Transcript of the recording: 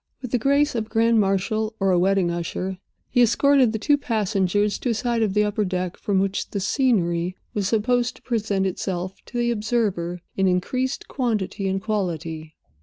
With the grace of a grand marshal or a wedding usher, he escorted the two passengers to a side of the upper deck, from which the scenery was supposed to present itself to the observer in increased quantity and quality.